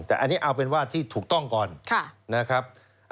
แต่อันนี้เอาเป็นว่าที่ถูกต้องก่อนนะครับ